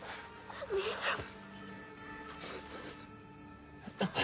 兄ちゃん。